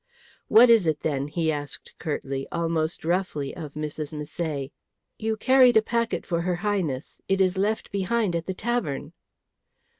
"What is it, then?" he asked curtly, almost roughly, of Mrs. Misset. "You carried a packet for her Highness. It is left behind at the tavern."